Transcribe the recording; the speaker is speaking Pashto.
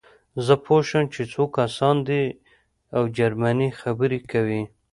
زه پوه شوم چې څو کسان دي او جرمني خبرې کوي